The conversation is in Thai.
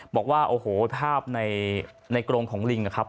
บอกว่าโอ้โหภาพในกรงของลิงนะครับ